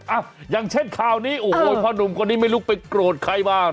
อย่างเช่นข่าวนี้โอ้โหพ่อหนุ่มคนนี้ไม่รู้ไปโกรธใครมา